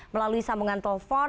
melalui sambungan telepon